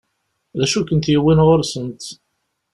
D acu i kent-yewwin ɣur-sent?